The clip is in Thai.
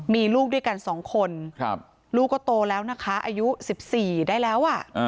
มีลูกด้วยกัน๒คนลูกก็โตแล้วนะคะอายุ๑๔ได้แล้ว